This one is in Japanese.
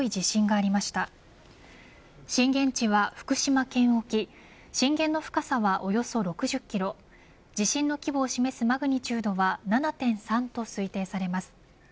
震源地は福島県沖震源の深さはおよそ６０キロ地震の規模を示すマグニチュードは７．３と推定されます。